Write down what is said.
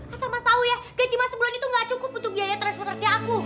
asal mas tau ya gaji mas sebulan itu ga cukup untuk biaya transfer transfer aku